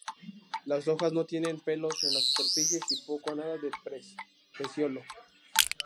Las hojas no tienen pelos en las superficies, y poco o nada de peciolo.